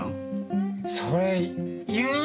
それ言う？